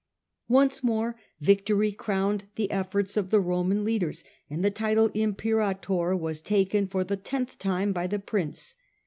Once more victory crowned the efforts of the Roman leaders, and the title of Imperator was taken for the tenth time by the prince.